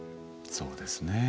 そうですねえ。